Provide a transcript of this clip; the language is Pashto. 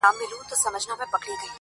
که دې د سترگو له سکروټو نه فناه واخلمه.